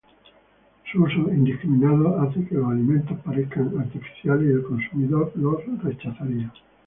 Su uso indiscriminado hace que los alimentos parezcan artificiales y el consumidor los rechazaría.